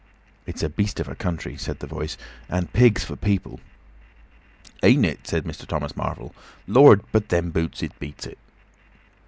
"It's a beast of a country," said the Voice. "And pigs for people." "Ain't it?" said Mr. Thomas Marvel. "Lord! But them boots! It beats it."